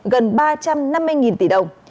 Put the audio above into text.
gần ba trăm năm mươi tỷ đồng